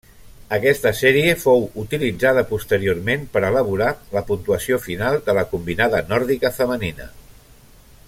Aquesta sèrie fou utilitzada posteriorment per elaborar la puntuació final de la combinada nòrdica femenina.